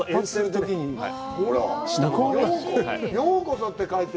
「ようこそ」って書いて。